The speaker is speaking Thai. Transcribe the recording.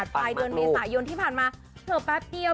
ปลายเดือนเมษายนที่ผ่านมาเผลอแป๊บเดียว